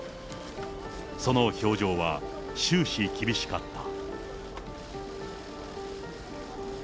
その表情は終始厳しかった。